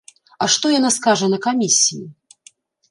А што яна скажа на камісіі?